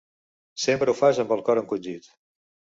Sempre ho fas amb el cor encongit.